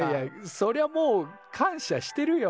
そりゃもう感謝してるよ。